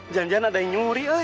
janjian ada nyuri eh hai